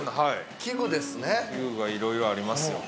◆器具がいろいろありますよ。